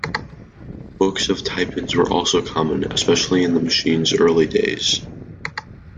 Books of type-ins were also common, especially in the machine's early days.